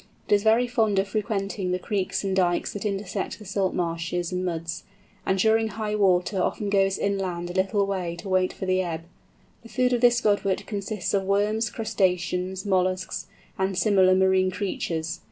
It is very fond of frequenting the creeks and dykes that intersect the salt marshes and muds, and during high water often goes inland a little way to wait for the ebb. The food of this Godwit consists of worms, crustaceans, molluscs, and similar marine creatures.